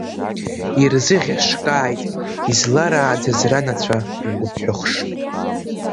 Ирзыӷьашкааит, изларааӡаз ранацәа ргуԥхәыхш!